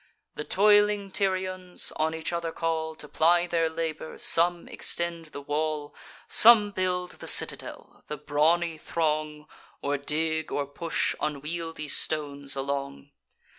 The toiling Tyrians on each other call To ply their labour: some extend the wall; Some build the citadel; the brawny throng Or dig, or push unwieldly stones along.